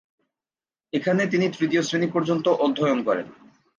এখানে তিনি তৃতীয় শ্রেণি পর্যন্ত অধ্যয়ন করেন।